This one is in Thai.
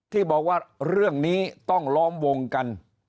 ที่บอกว่าเรื่องนี้ต้องล้อมวงกัน